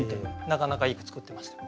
なかなかいい句作ってました。